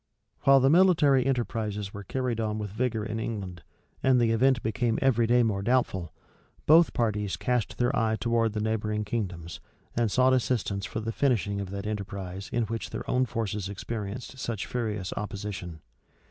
While the military enterprises were carried on with vigor in England, and the event became every day more doubtful, both parties cast their eye towards the neighboring kingdoms, and sought assistance for the finishing of that enterprise in which their own forces experienced such furious opposition.